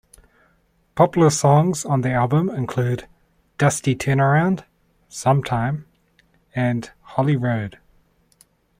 Popular songs on the album include "Dusty Turnaround", "Sometime", and "Holy Road".